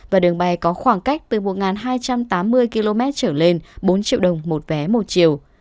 và đường bay có khoảng cách từ một hai trăm tám mươi km trở lên bốn triệu đồng một vé một chiều